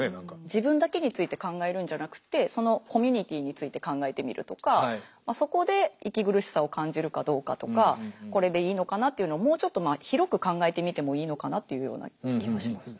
自分だけについて考えるんじゃなくってそのコミュニティーについて考えてみるとかそこで息苦しさを感じるかどうかとかこれでいいのかなっていうのをもうちょっと広く考えてみてもいいのかなっていうような気はします。